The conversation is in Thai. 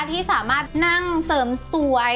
ที่สามารถนั่งเสริมสวย